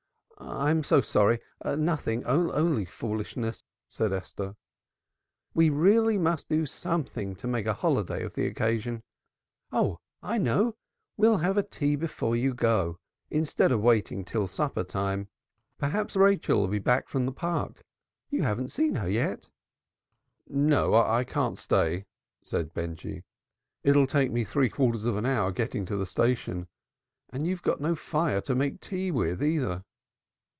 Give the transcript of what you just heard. "I'm so sorry, nothing, only foolishness," said Esther. "We really must do something to make a holiday of the occasion. Oh, I know; we'll have tea before you go, instead of waiting till supper time. Perhaps Rachel'll be back from the Park. You haven't seen her yet." "No, I can't stay," said Benjy. "It'll take me three quarters of an hour getting to the station. And you've got no fire to make tea with either."